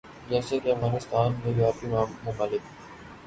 جیسے کے افغانستان میں یورپی ممالک